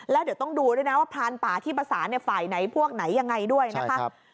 แล้วเดี๋ยวต้องดูด้วยนะว่าพรานป่าที่ประสานฝ่ายไหนพวกไหนยังไงด้วยนะคะ